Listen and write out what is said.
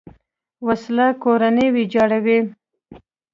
وسله کورونه ویجاړوي